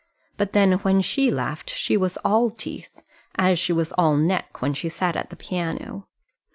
But then when she laughed she was all teeth; as she was all neck when she sat at the piano.